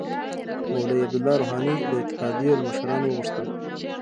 مولوی عبدالله روحاني د اتحادیو له مشرانو وغوښتل